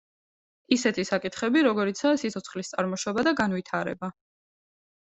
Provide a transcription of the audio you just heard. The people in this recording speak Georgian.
ისეთი საკითხები, როგორიცაა სიცოცხლის წარმოშობა და განვითარება.